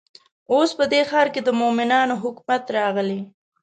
اوس په دې ښار کې د مؤمنانو حکومت راغلی.